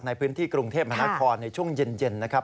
ในพื้นที่กรุงเทพมหานครในช่วงเย็นนะครับ